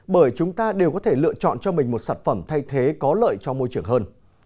bởi chúng ta đều có thể lựa chọn cho mình một sản phẩm thay thế có lợi cho môi trường hơn